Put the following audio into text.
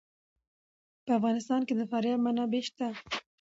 په افغانستان کې د فاریاب منابع شته.